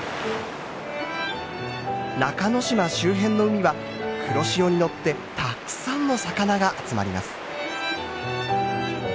中之島周辺の海は黒潮に乗ってたくさんの魚が集まります。